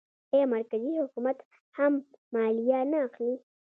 آیا مرکزي حکومت هم مالیه نه اخلي؟